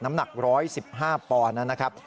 น้ำหนัก๑๑๕ปอนด์นะครับ